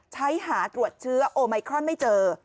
หาตรวจเชื้อโอไมครอนไม่เจอ